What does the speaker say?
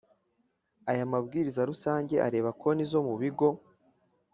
Aya mabwiriza rusange areba konti zo mu bigo